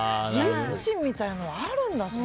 自立心みたいなのはあるんだね。